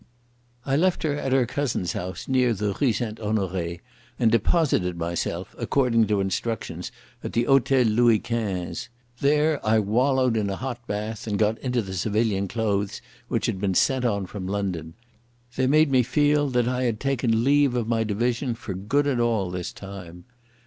I left her at her cousin's house near the Rue St Honoré, and deposited myself, according to instructions, at the Hôtel Louis Quinze. There I wallowed in a hot bath, and got into the civilian clothes which had been sent on from London. They made me feel that I had taken leave of my division for good and all this time.